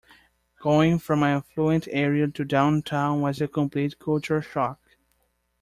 Going from my affluent area to downtown was a complete culture shock.